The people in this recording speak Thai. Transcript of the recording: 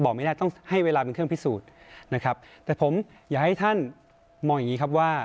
ไม่ได้ต้องให้เวลาเป็นเครื่องพิสูจน์นะครับแต่ผมอยากให้ท่านมองอย่างงี้ครับว่า